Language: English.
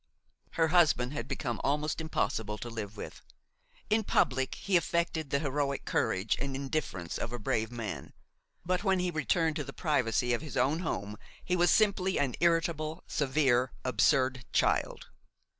Her husband had become almost impossible to live with. In public he affected the heroic courage and indifference of a brave man; but when he returned to the privacy of his own home he was simply an irritable, severe, absurd child.